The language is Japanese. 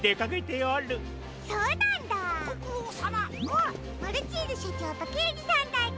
あっマルチーズしょちょうとけいじさんたち。